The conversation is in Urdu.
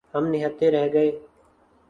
ہم نہتے رہ گئے۔